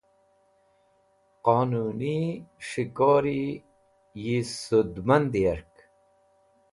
Qonuni S̃hikori yi Sudmand Yark